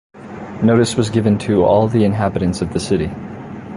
Notice was given to all the inhabitants of the city.